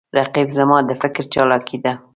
رقیب زما د فکر چالاکي ده